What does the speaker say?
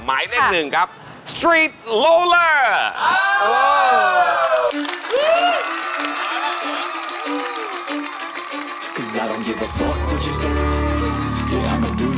ไม้แน่นหนึ่งครับสตรีทโลล่าโอ้โฮ